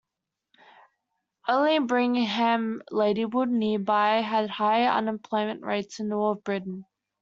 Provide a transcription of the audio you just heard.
Only Birmingham, Ladywood nearby had higher unemployment rates in all of Britain.